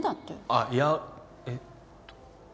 あっいやえっと。